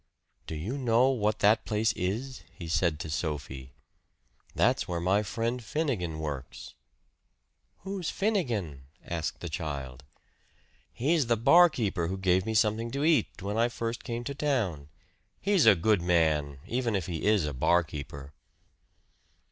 "Do you know what that place is?" he said to Sophie. "That's where my friend Finnegan works." "Who's Finnegan?" asked the child. "He's the barkeeper who gave me something to eat when I first came to town. He's a good man, even if he is a barkeeper."